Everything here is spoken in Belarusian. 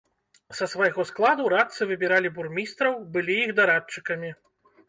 Са свайго складу радцы выбіралі бурмістраў, былі іх дарадчыкамі.